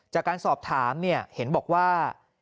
จากการสอบถามเห็นบอกว่า